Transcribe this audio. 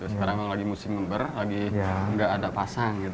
sekarang lagi musim member lagi tidak ada pasang